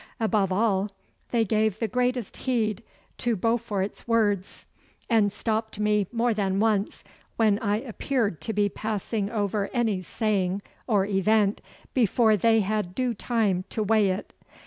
Above all, they gave the greatest heed to Beaufort's words, and stopped me more than once when I appeared to be passing over any saying or event before they had due time to weigh it.